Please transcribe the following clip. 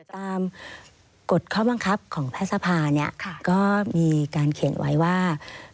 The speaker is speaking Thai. กฎข้อบังคับของแพทย์สภาเนี่ยก็มีการเขียนไว้ว่า